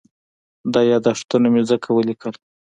دا یادښتونه مې ځکه ولیکل.